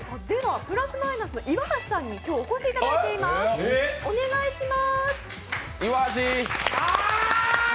プラス・マイナスの岩橋さんに今日、お越しいただいています。